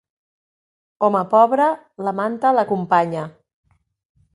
Home pobre, la manta l'acompanya.